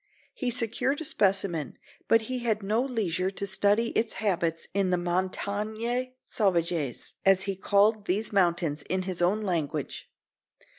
He secured a specimen, but he had no leisure to study its habits in the "montagnes sauvages," as he called these mountains in his own language.